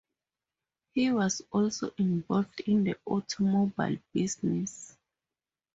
He also was involved in the automobile business.